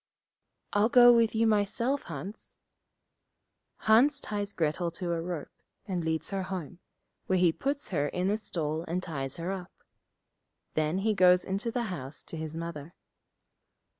'I'll go with you myself, Hans.' Hans ties Grettel to a rope, and leads her home, where he puts her in a stall, and ties her up. Then he goes into the house to his Mother.